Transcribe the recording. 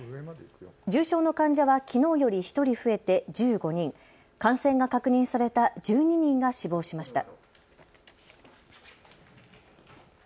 重症の患者はきのうより１人増えて１５人、感染が確認された１２人が死亡しました。